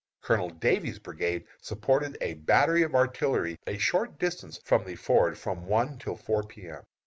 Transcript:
Colonel Davies' brigade supported a battery of artillery a short distance from the ford from one till four P. M.